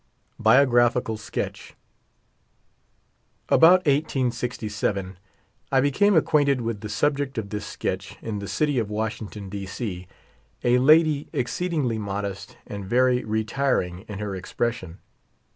BIOGRAPHICAL SKETCH. About 1867 I became acquainted with the subject of this sketch in the city of Washington, D. C, a lady ex ceedingly modest and very retiring in her expression.